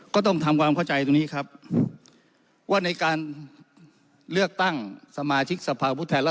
ก็ต้องทำความเข้าใจตรงนี้ครับว่าในการเลือกตั้งสมาชิกสภาพุทธแทนรั